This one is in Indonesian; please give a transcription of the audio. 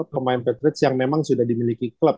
pemain patrick yang memang sudah dimiliki klub